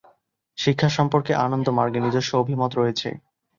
শিক্ষা সম্পর্কে আনন্দমার্গের নিজস্ব অভিমত রয়েছে।